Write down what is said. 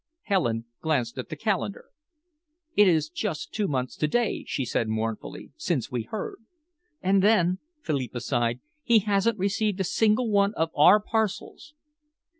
Helen glanced at the calendar. "It is just two months to day," she said mournfully, "since we heard." "And then," Philippa sighed, "he hadn't received a single one of our parcels."